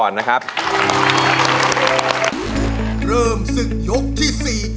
เริ่มศึกยกที่๔